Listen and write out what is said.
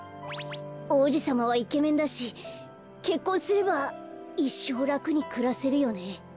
おうじさまはイケメンだしけっこんすればいっしょうらくにくらせるよね。